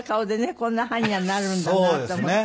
こんな般若になるんだなと思って。